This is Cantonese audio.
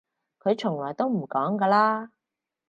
佢從來都唔講㗎啦